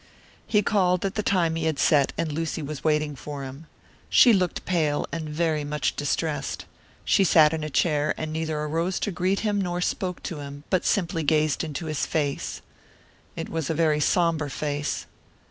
He called at the time he had set, and Lucy was waiting for him. She looked pale, and very much distressed. She sat in a chair, and neither arose to greet him nor spoke to him, but simply gazed into his face. It was a very sombre face.